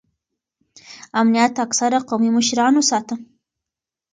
امنیت اکثره قومي مشرانو ساته.